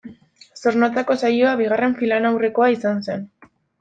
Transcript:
Zornotzako saioa bigarren finalaurrekoa izan zen.